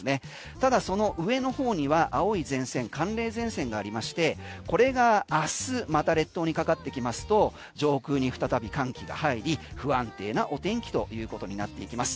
ただその上の方には青い前線寒冷前線がありましてこれが明日また列島にかかってきますと上空に再び寒気が入り不安定なお天気ということになっていきます。